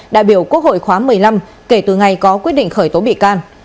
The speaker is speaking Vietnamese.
đại biểu quốc hội khóa một mươi năm kể từ ngày có quyết định khởi tố bị can